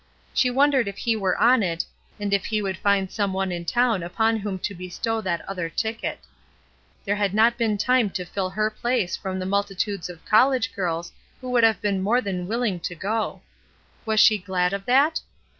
She wondered if he were on it, and if he would find some one in town upon whom to bestow that other ticket. There had not been time to fill her place from the multitudes of col lege girls who would have been more than willing to go. Was she glad of that?